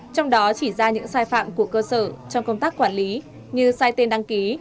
trong đó chỉ ra những sai phạm của cơ sở trong công tác quản lý như sai tên đăng ký